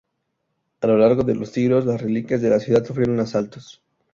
A lo largo de los siglos, las reliquias de la ciudad sufrieron asaltos.